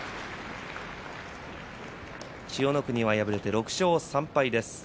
千代の国は敗れて６勝３敗です。